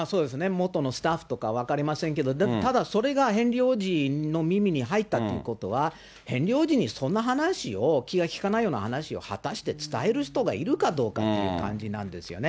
元のスタッフとか、分かりませんけれども、ただ、それがヘンリー王子の耳に入ったということは、ヘンリー王子にそんな話を、気が利かないような話を、果たして伝える人がいるかどうかっていうことですね。